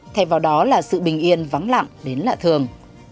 thay vào đó là sự bình yên vắng lặng đến lạ thường